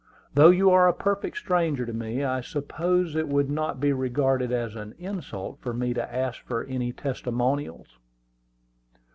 "Though you are a perfect stranger to me, I suppose it would not be regarded as an insult for me to ask for any testimonials."